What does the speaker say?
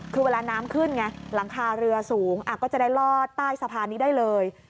คือเวลาน้ำขึ้นไงหลังคาเรือสูงก็จะได้ลอดใต้สะพานนี้ได้เลย